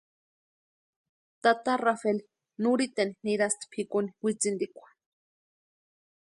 Tata Rafeli nurhiteni nirasti pʼikuni witsintikwa.